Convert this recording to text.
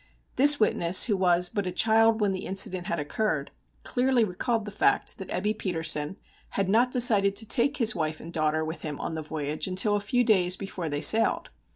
This witness, who was but a child when the incident had occurred, clearly recalled the fact that Ebbe Petersen had not decided to take his wife and daughter with him on the voyage until a few days before they sailed.